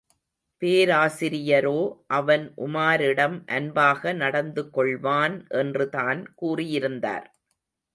பேராசிரியரோ, அவன் உமாரிடம் அன்பாக நடந்து கொள்வான் என்றுதான் கூறியிருந்தார்.